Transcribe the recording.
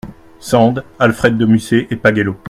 Sand, Alfred de Musset et Pagello.